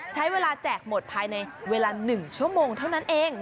แจกหมดภายในเวลา๑ชั่วโมงเท่านั้นเอง